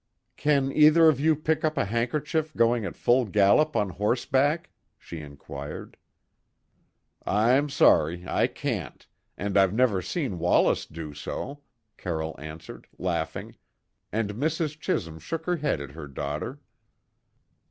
"Can either of you pick up a handkerchief going at full gallop on horseback?" she inquired. "I'm sorry I can't, and I've never seen Wallace do so," Carroll answered, laughing, and Mrs. Chisholm shook her head at her daughter.